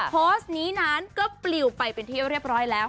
โพสต์นี้นานก็ปลิวไปพี่แล้วผลเรียบร้อยแล้ว